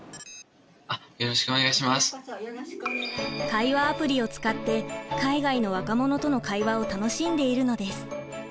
会話アプリを使って海外の若者との会話を楽しんでいるのです。